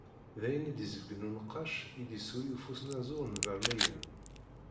Dayen i d-isebgen unqac i d-isuli ufusnaẓur n Vermeyene.